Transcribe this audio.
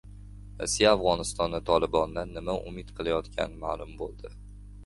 Rossiya Afg‘onistonda "Tolibon"dan nima umid qilayotgani ma’lum bo‘ldi